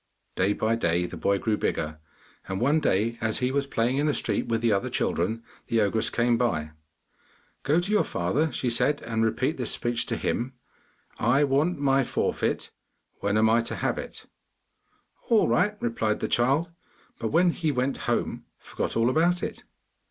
Day by day the boy grew bigger, and one day as he was playing in the street with the other children, the ogress came by. 'Go to your father,' she said, 'and repeat this speech to him: "I want my forfeit; when am I to have it?"' 'All right,' replied the child, but when he went home forgot all about it.